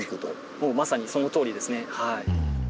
もうまさにそのとおりですね。